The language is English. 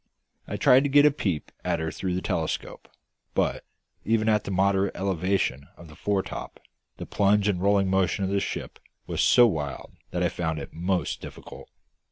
I tried to get a peep at her through the telescope; but, even at the moderate elevation of the foretop, the plunging and rolling motion of the ship was so wild that I found it most difficult.